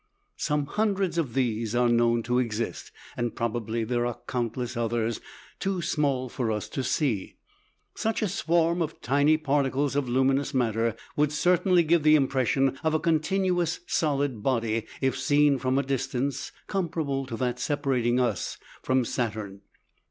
Some hundreds of these are known to exist, and probably there are countless others too small for us to see. Such a swarm of tiny particles of luminous matter would certainly give the impression of a continuous solid body, if seen from a distance comparable to that separating us from Saturn.